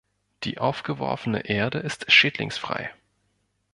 Die aufgeworfene Erde ist schädlingsfrei.